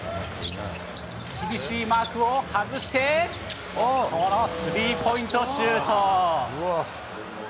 厳しいマークを外して、このスリーポイントシュート。